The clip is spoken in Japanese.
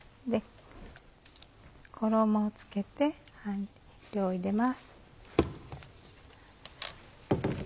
衣を付けて半量入れます。